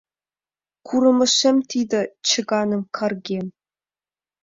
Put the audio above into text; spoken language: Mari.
Курымешем тиде чыганым каргем.